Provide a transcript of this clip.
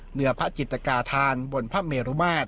เหนือพระจิตกาธานบนพระเมรุมาตร